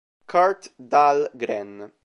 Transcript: Curt Dahlgren